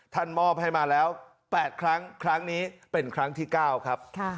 มอบให้มาแล้ว๘ครั้งครั้งนี้เป็นครั้งที่๙ครับ